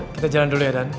kita jalan dulu ya kan